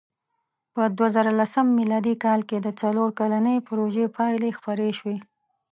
په دوهزرهلسم مېلادي کال کې د څلور کلنې پروژې پایلې خپرې شوې.